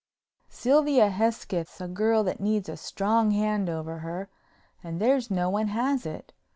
"Sylvia Hesketh's a girl that needs a strong hand over her and there's no one has it.